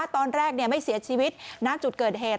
ตอนแรกไม่เสียชีวิตณจุดเกิดเหตุ